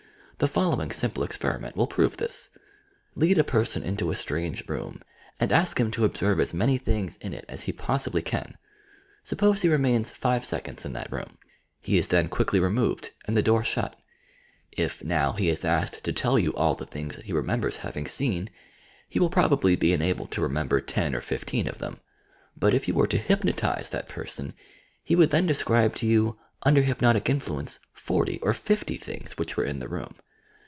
The following simple experiment will prove this : Lead a person into a strange room and ask him to observe as many things in it aa he possibly can. Suppo.se he remains five seconds in that room. He is then quickly removed and the door THE SUBCONSCIOUS 33 shut. If, now, he is asked to tell yon all the things that he remembers having seen, he will probably be enabled to remember ten or fifteen of them ; but if you were to hypnotize that person, he would then describe to you, under hypnotic influence, forty or fifty things which were in the room.